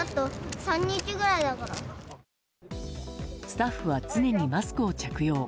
スタッフは常にマスクを着用。